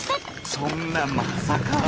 そんなまっさか。